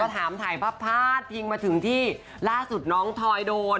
ถามถ่ายภาพพิงมาถึงที่ล่าสุดน้องทอยโดน